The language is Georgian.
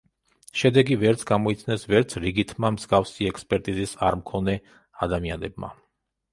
შედეგი ვერ გამოიცნეს ვერც რიგითმა, მსგავსი ექსპერტიზის არმქონე ადამიანებმა.